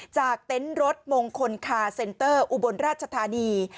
เต็นต์รถมงคลคาเซนเตอร์อุบลราชธานี